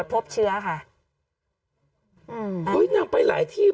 กล้องกว้างอย่างเดียว